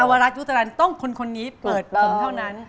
วรัฐยุจรรย์ต้องคนนี้เปิดผมเท่านั้น